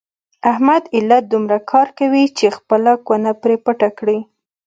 احمد ایله دومره کار کوي چې خپله کونه پرې پټه کړي.